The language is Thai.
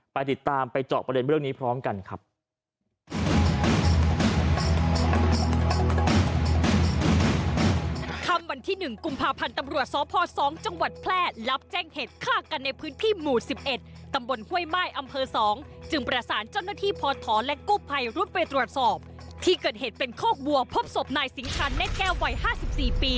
ไปติดตามไปเจาะประเด็นเรื่องนี้พร้อมกันครับ